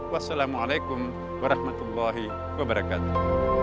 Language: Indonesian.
wassalamualaikum warahmatullahi wabarakatuh